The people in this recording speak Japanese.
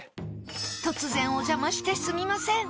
突然お邪魔してすみません